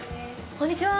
こんにちは。